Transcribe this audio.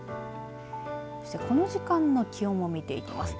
そしてこの時間の気温を見ていきます。